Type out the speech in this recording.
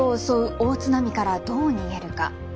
大津波からどう逃げるか。